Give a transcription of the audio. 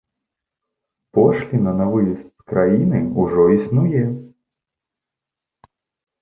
Пошліна на выезд з краіны ўжо існуе!